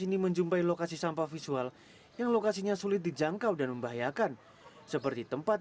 ini menjumpai lokasi sampah visual yang lokasinya sulit dijangkau dan membahayakan seperti tempat